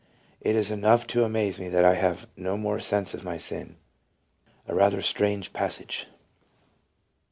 ... it is enough to amaze me that I have no more sense of my sin." A rather strange passage